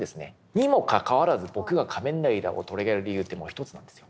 にもかかわらず僕が「仮面ライダー」を取り上げる理由っていうものは一つなんですよ。